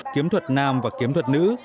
kiếm thuật nam và kiếm thuật nữ